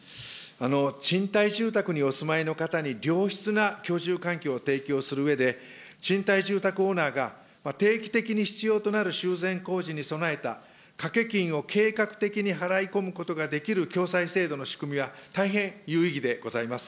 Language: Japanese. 賃貸住宅にお住まいの方に良質な居住環境を提供するうえで、賃貸住宅オーナーが定期的に必要となる修繕工事に備えた、掛け金を計画的に払い込むことができる共済制度の仕組みは大変有意義でございます。